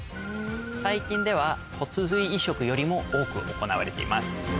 最近では骨髄移植よりも多く行われています。